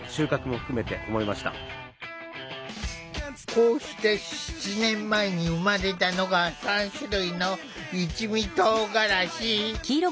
こうして７年前に生まれたのが３種類の一味とうがらし。